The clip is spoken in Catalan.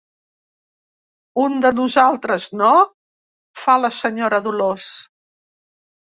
Un de nosaltres, no? —fa la senyora Dolors—.